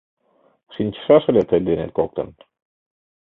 Шинчышаш ыле тый денет коктын.